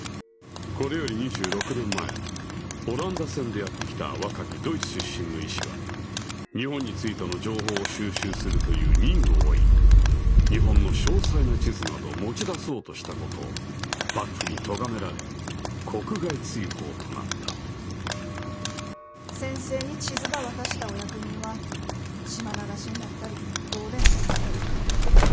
これより２６年前オランダ船でやって来た若きドイツ出身の医師は日本についての情報を収集するという任を負い日本の詳細な地図などを持ち出そうとしたことを幕府にとがめられ国外追放となった先生に地図ば渡したお役人は島流しになったり牢で亡くなったり。